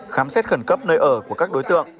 khám xét khẩn cấp nơi ở của các đối tượng